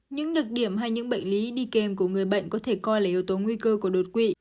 những đặc điểm hay những bệnh lý đi kèm của người bệnh có thể coi là yếu tố nguy cơ của đột quỵ